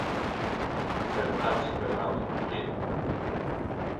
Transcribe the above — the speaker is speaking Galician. Preguntaron se preparabas algún libro.